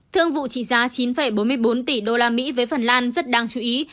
thương vụ trị giá chín bốn mươi bốn tỷ đô la mỹ với phần lan rất đáng chú ý